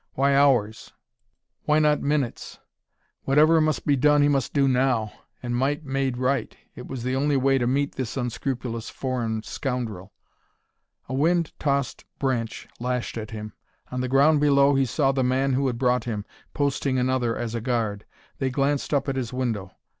Why hours? Why not minutes?... Whatever must be done he must do now. And might made right: it was the only way to meet this unscrupulous foreign scoundrel." A wind tossed branch lashed at him. On the ground below he saw the man who had brought him, posting another as a guard. They glanced up at his window.